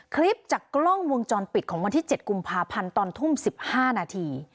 คลิปจากกล้องวงจรปิดของวันที่๗กุมภาพันธ์ตอนทุ่ม๑๕นาที